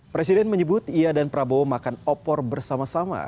presiden menyebut ia dan prabowo makan opor bersama sama